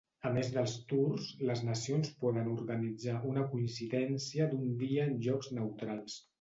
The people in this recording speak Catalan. A més de Tours, les Nacions poden organitzar una coincidència d'un dia en llocs neutrals.